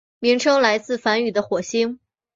名称来自于梵语的火星。